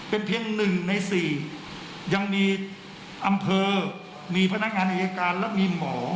เป็นเพียง๑ใน๔ยังมีอำเภอมีพนักงานอายการและมีหมอ